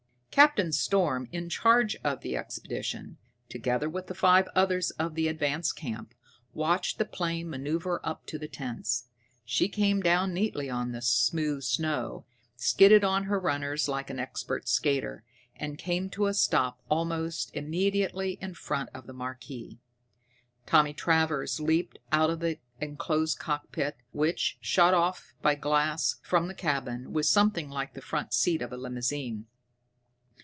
Captain Storm, in charge of the expedition, together with the five others of the advance camp, watched the plane maneuver up to the tents. She came down neatly on the smooth snow, skidded on her runners like an expert skater, and came to a stop almost immediately in front of the marquee. Tommy Travers leaped out of the enclosed cockpit, which, shut off by glass from the cabin, was something like the front seat of a limousine.